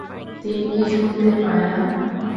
তিনি কী শুনতে পায় না?